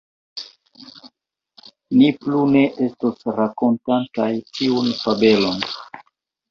Ni plu ne estos rakontantaj tiun fabelon.